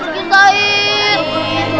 jangan pergi said